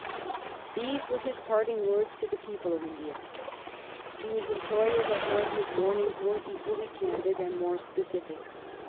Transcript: These were his parting words to the people of India. To his employee at home his warnings were equally candid and more specific.